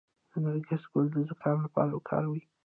د نرګس ګل د زکام لپاره وکاروئ